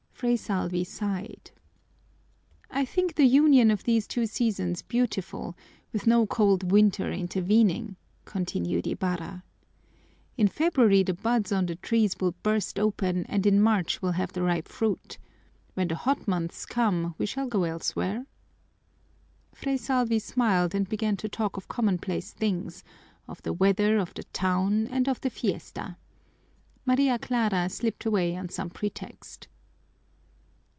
Fray Salvi sighed. "I think the union of these two seasons beautiful, with no cold winter intervening," continued Ibarra. "In February the buds on the trees will burst open and in March we'll have the ripe fruit. When the hot month's come we shall go elsewhere." Fray Salvi smiled and began to talk of commonplace things, of the weather, of the town, and of the fiesta. Maria Clara slipped away on some pretext.